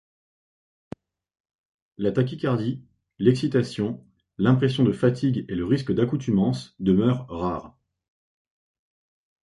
La tachycardie, l'excitation, l'impression de fatigue et le risque d'accoutumance demeurent rares.